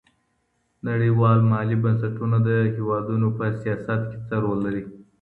نړيوال مالي بنسټونه د هېوادونو په سياست کي څه رول لري؟